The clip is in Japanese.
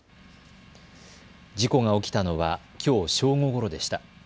事故が起きたのはきょう正午ごろでした。